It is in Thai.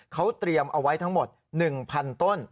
เขาเตรียมเอาไว้ทั้งหมด๑๐๐๐ต้น